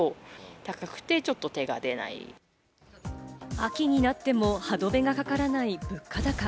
秋になっても歯止めがかからない物価高。